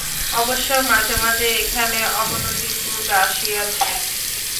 অবশ্য মাঝে মাঝে এখানে অবনতির যুগ আসিয়াছে।